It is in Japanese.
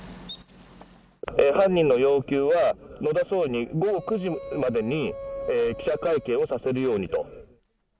犯人の要求は、野田総理に午後９時までに記者会見をさせるようにと。